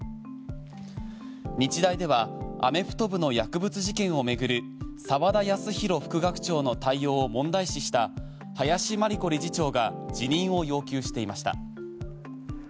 日大ではアメフト部の薬物事件を巡る澤田康広副学長の対応を問題視した林真理子理事長が辞任を要求していました。